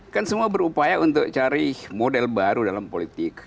kan semua berupaya untuk cari model baru dalam politik